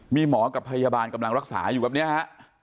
มีหมอกับพยาบาลกำลังรักษาอยู่แบบนี้ฮะ